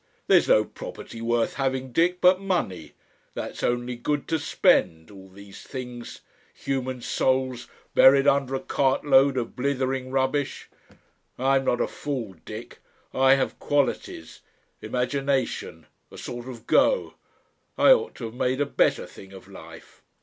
There's no property worth having, Dick, but money. That's only good to spend. All these things. Human souls buried under a cartload of blithering rubbish.... "I'm not a fool, Dick. I have qualities, imagination, a sort of go. I ought to have made a better thing of life.